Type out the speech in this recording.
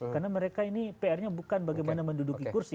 karena mereka ini pr nya bukan bagaimana menduduki kursi